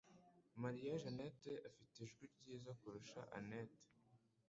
Maria Jeanette afite ijwi ryiza kurusha anet.